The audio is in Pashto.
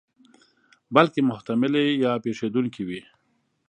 بلکې محتملې یا پېښېدونکې وي.